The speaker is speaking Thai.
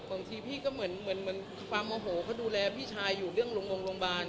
บางทีพี่ก็เหมือนความโมโหเขาดูแลพี่ชายอยู่เรื่องโรงพยาบาล